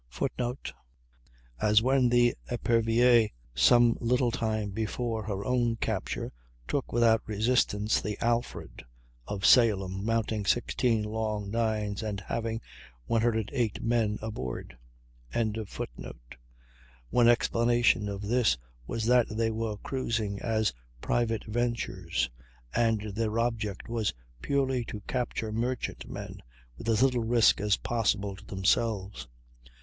[Footnote: As when the Epervter, some little time before her own capture, took without resistance the Alfred, of Salem, mounting 16 long nines and having 108 men aboard.] One explanation of this was that they were cruising as private ventures, and their object was purely to capture merchant men with as little risk as possible to themselves.